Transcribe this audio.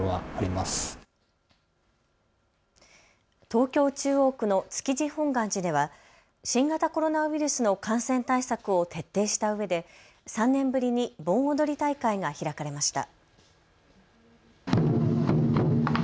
東京中央区の築地本願寺では新型コロナウイルスの感染対策を徹底したうえで３年ぶりに盆踊り大会が開かれました。